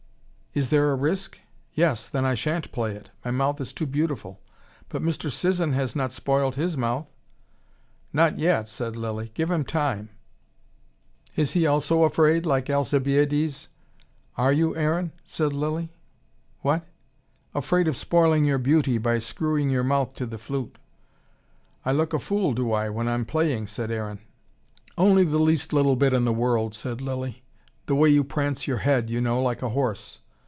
"Is there a risk? Yes! Then I shan't play it. My mouth is too beautiful. But Mr. Sisson has not spoilt his mouth." "Not yet," said Lilly. "Give him time." "Is he also afraid like Alcibiades?" "Are you, Aaron?" said Lilly. "What?" "Afraid of spoiling your beauty by screwing your mouth to the flute?" "I look a fool, do I, when I'm playing?" said Aaron. "Only the least little bit in the world," said Lilly. "The way you prance your head, you know, like a horse."